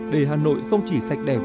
để hà nội không chỉ sạch đẹp